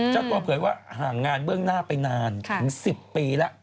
เจ้าตัวเผยว่าห่างงานเบื้องหน้าไปนานถึง๑๐ปีแล้ว